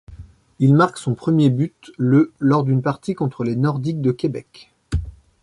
Il marque son premier but le lors d'une partie contre les Nordiques de Québec.